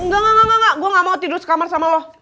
enggak enggak enggak enggak gue nggak mau tidur sekamar sama lo